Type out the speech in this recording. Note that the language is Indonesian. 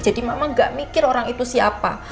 jadi mama nggak mikir orang itu siapa